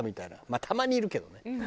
まあたまにいるけどね。